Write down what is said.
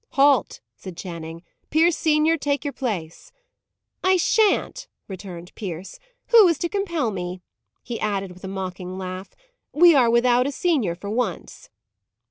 "Halt!" said Channing. "Pierce senior, take your place." "I shan't," returned Pierce. "Who is to compel me?" he added with a mocking laugh. "We are without a senior for once."